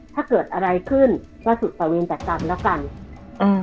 ถ้าเกิดอะไรขึ้นก็สุดประเวนแต่กรรมแล้วกันอืม